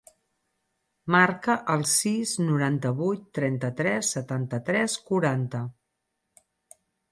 Marca el sis, noranta-vuit, trenta-tres, setanta-tres, quaranta.